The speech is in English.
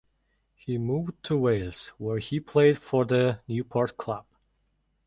He moved to Wales where he played for the Newport club.